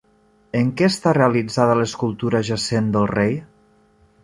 En què està realitzada l'escultura jacent del rei?